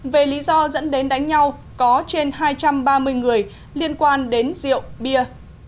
về lý do dẫn đến đánh nhau có trên hai trăm ba mươi người liên quan đến rượu bia